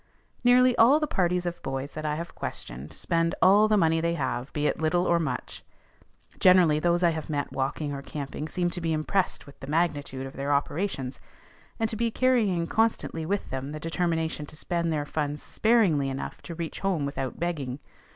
Nearly all the parties of boys that I have questioned spend all the money they have, be it little or much. Generally those I have met walking or camping seem to be impressed with the magnitude of their operations, and to be carrying constantly with them the determination to spend their funds sparingly enough to reach home without begging.